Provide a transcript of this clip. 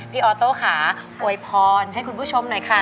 ออโต้ค่ะอวยพรให้คุณผู้ชมหน่อยค่ะ